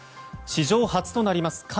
史上初となります